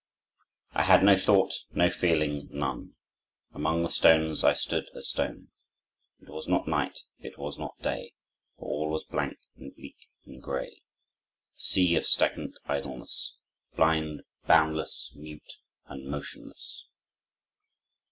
"I had no thought, no feeling—none. Among the stones I stood a stone. It was not night, it was not day, For all was blank and bleak and gray: A sea of stagnant idleness, Blind, boundless, mute, and motionless."